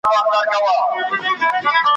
ستا پر ځای به بله مینه بل به ژوند وي ,